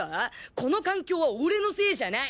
この環境は俺のせいじゃない。